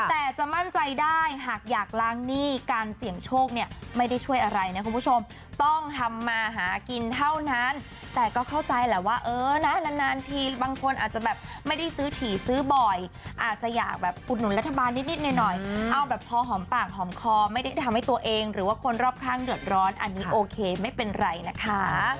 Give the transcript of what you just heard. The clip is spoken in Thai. แต่จะมั่นใจได้หากอยากล้างหนี้การเสี่ยงโชคเนี่ยไม่ได้ช่วยอะไรนะคุณผู้ชมต้องทำมาหากินเท่านั้นแต่ก็เข้าใจแหละว่าเออนะนานทีบางคนอาจจะแบบไม่ได้ซื้อถี่ซื้อบ่อยอาจจะอยากแบบอุดหนุนรัฐบาลนิดหน่อยเอาแบบพอหอมปากหอมคอไม่ได้ทำให้ตัวเองหรือว่าคนรอบข้างเดือดร้อนอันนี้โอเคไม่เป็นไรนะคะ